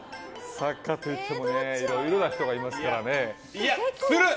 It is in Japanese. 作家といってもいろいろな人がいますから。